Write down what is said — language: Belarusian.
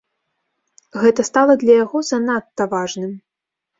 Гэта стала для яго занадта важным.